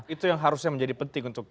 itu yang harusnya menjadi penting untuk